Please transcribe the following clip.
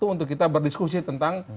untuk kita berdiskusi tentang